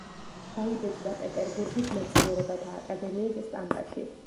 დაიბეჭდა პეტერბურგის მეცნიერებათა აკადემიის სტამბაში.